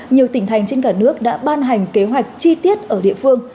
nhiều tỉnh thành trên cả nước đã ban hành kế hoạch chi tiết ở địa phương